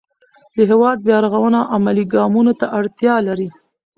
د هېواد بیا رغونه عملي ګامونو ته اړتیا لري.